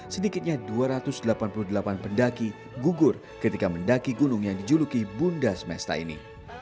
sedikitnya dua ratus delapan puluh delapan pendaki gugur ketika mendaki gunung yang dijuluki bunda semesta ini